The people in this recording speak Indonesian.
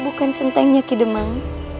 ibu bukan centengnya kidemang